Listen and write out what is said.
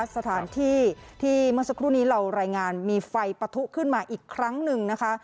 สถานที่ที่เมื่อสักครู่นี้เรารายงานมีไฟปะทุขึ้นมาอีกครั้งหนึ่งนะคะ